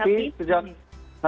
korean wave gitu ya awalnya